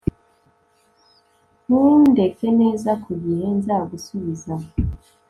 Ntundeke neza ku gihe nzagusubiza